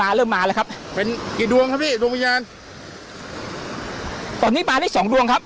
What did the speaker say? เริ่มมาแล้วครับเป็นกี่ดวงครับพี่ดวงวิญญาณตอนนี้มาได้สองดวงครับ